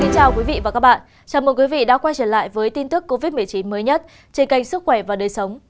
chào mừng quý vị đã quay trở lại với tin tức covid một mươi chín mới nhất trên kênh sức khỏe và đời sống